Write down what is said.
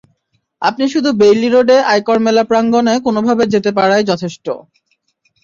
আপনি শুধু বেইলি রোডে আয়কর মেলা প্রাঙ্গণে কোনোভাবে যেতে পারাই যথেষ্ট।